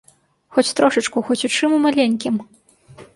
Хоць трошачку, хоць у чым у маленькім.